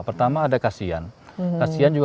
pertama ada kasihan kasihan juga